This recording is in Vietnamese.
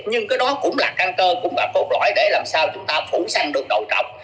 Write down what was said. nhưng cái đó cũng là căn cơ cũng là cốt lõi để làm sao chúng ta phủ xanh đồi trọc